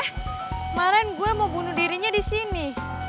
kemarin gue mau bunuh dirinya di sini